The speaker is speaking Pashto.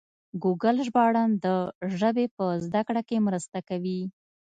ګوګل ژباړن د ژبې په زده کړه کې مرسته کوي.